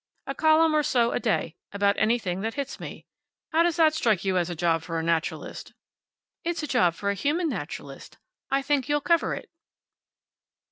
A column or so a day, about anything that hits me. How does that strike you as a job for a naturalist?" "It's a job for a human naturalist. I think you'll cover it."